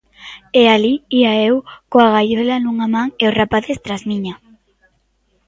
E alí ía eu coa gaiola nunha man e os rapaces tras miña.